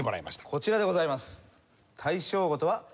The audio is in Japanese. こちらでございます。